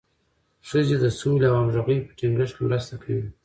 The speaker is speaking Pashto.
ښځې د سولې او همغږۍ په ټینګښت کې مرسته کوي.